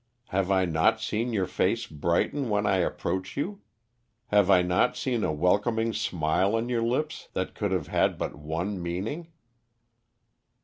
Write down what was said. Have I not seen your face brighten when I approached you? Have I not seen a welcoming smile on your lips, that could have had but one meaning?"